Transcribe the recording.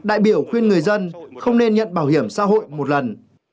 đại biểu khuyên người dân không nên nhận bảo hiểm xã hội một lần